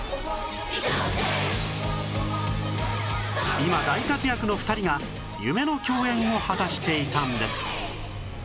今大活躍の２人が夢の共演を果たしていたんです